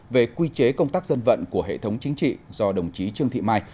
về quy chế công tác dân vận của hệ thống chính trị do đồng chí trương thị mai